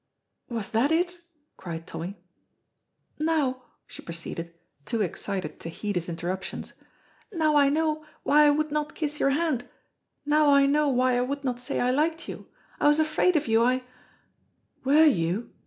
"Was that it?" cried Tommy. "Now," she proceeded, too excited to heed his interruptions, "now I know why I would not kiss your hand, now I know why I would not say I liked you. I was afraid of you, I " "Were you?"